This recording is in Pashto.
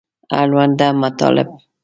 اړونده مطالب